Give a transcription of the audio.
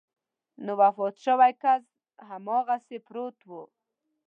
نو وفات شوی کس هماغسې پروت و.